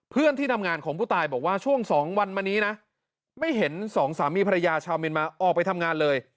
เพื่อนที่ทำงานของผู้ตายบอกว่าช่วง๒วันมานี้นะไม่เห็นสองสามีภรรยาชาวเมียนมาออกไปทำงานเลย